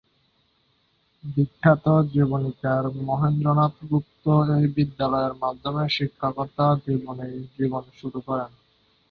বিখ্যাত জীবনীকার মহেন্দ্রনাথ গুপ্ত এই বিদ্যালয়ের মাধ্যমে শিক্ষকতা জীবন শুরু করেন।